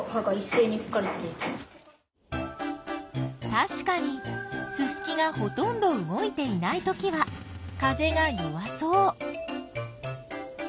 たしかにススキがほとんど動いていないときは風が弱そう。